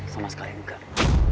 sama sekali enggak